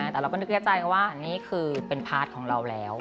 แต่เราก็นึกในใจว่านี่คือเป็นพาร์ทของเราแล้ว